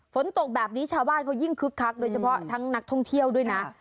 ฝนตกแบบนี้ชาวบ้านเขายิ่งคึกคักโดยเฉพาะทั้งนักท่องเที่ยวด้วยนะ